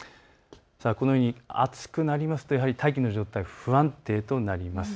このように暑くなると大気の状態が不安定となります。